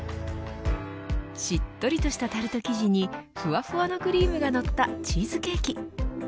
しっとりとしたタルト生地にふわふわのクリームが乗ったチーズケーキ。